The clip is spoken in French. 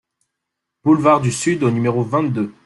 Boulevard du Sud au numéro vingt-deux